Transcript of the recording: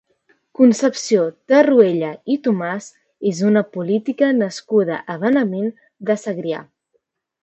Concepció Tarruella i Tomàs és una política nascuda a Benavent de Segrià.